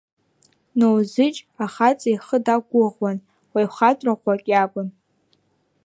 Ноузыџь ахаҵа ихы дақәгәыӷуан, уаҩ хатәра ӷәӷәак иакәын.